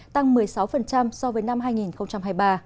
tăng một mươi sáu so với năm hai nghìn hai mươi ba